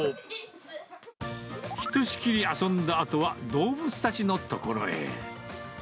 ひとしきり遊んだあとは、動物たちの所へ。